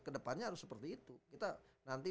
kedepannya harus seperti itu kita nanti